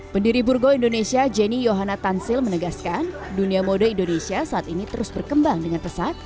pendiri burgo indonesia jenny yohana tansil menegaskan dunia mode indonesia saat ini terus berkembang dengan pesat